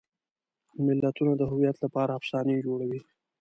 ملتونه د هویت لپاره افسانې جوړوي.